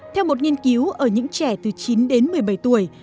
theo một nghiên cứu ở những trẻ từ chín đến một mươi bảy tuổi